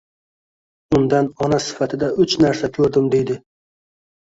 Undan ona sifatida uch narsa ko'rdim deydi: